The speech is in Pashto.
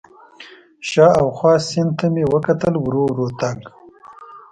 شاوخوا او سیند ته مې وکتل، ورو ورو تګ.